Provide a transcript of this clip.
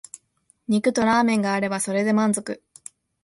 肉とラーメンがあればそれで満足